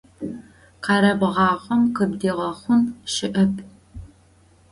Къэрэбгъагъэм къыбдигъэхъун щыӏэп.